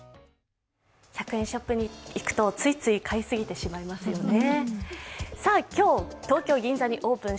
１００円ショップに行くとついつい買いすぎてしまいますよね。